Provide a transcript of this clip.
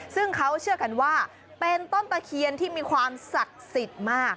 ซึ่งเขาเชื่อกันว่าเป็นต้นตะเคียนที่มีความศักดิ์สิทธิ์มาก